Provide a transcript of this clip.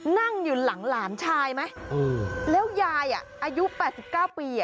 นั่งอยู่หลังหลานชายไหมแล้วยายอายุ๘๙ปี